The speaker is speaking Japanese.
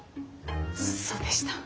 そうでした。